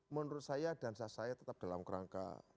menurut saya dansa saya tetap dalam kerangka